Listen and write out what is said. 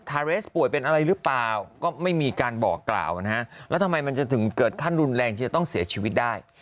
เรสป่วยเป็นอะไรหรือเปล่าก็ไม่มีการบอกกล่าวนะฮะแล้วทำไมมันจะถึงเกิดขั้นรุนแรงที่จะต้องเสียชีวิตได้